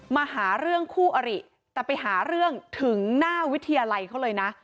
มาหาเรื่องคู่อริแต่ไปหาเรื่องถึงหน้าวิทยาลัยเขาเลยนะ